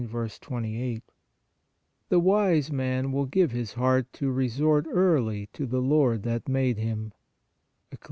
28) ;" The wise man will give his heart to resort early to the Lord that made him " (Eccli.